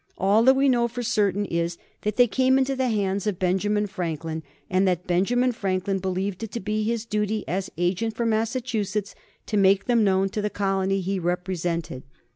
All that we know for certain is that they came into the hands of Benjamin Franklin, and that Benjamin Franklin believed it to be his duty as agent for Massachusetts to make them known to the colony he represented.